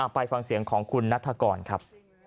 ไปฟังเสียงของคุณนัฐกรครับ